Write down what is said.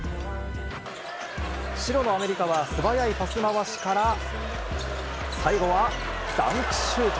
白のアメリカは素早いパス回しから、最後はダンクシュート。